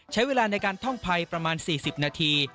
ใช้เวลาในการท่องภัยประมาณ๔๐นาที